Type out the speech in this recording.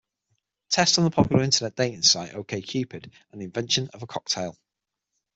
Test on the popular Internet dating site OkCupid, and the invention of a cocktail.